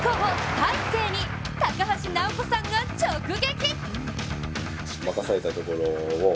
大勢に高橋尚子さんが直撃。